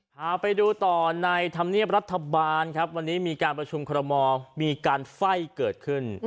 พาไปดูต่อในธรรมเนียบรัฐบาลครับวันนี้มีการประชุมคอรมอลมีการไฟ่เกิดขึ้น